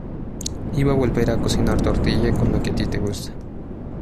iba a volver a cocinar tortilla. con lo que a ti te gusta .